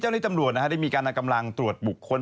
เจ้าหน้าจำรวจได้มีการกำลังตรวจบุคคล